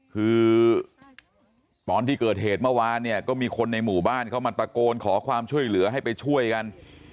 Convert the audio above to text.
คือตอนที่เกิดเหตุเมื่อวานเนี่ยก็มีคนในหมู่บ้านเข้ามาตะโกนขอความช่วยเหลือให้ไปช่วยกัน